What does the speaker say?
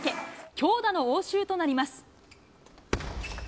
強打の応酬となります。